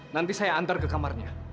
nanti saya antar ke kamarnya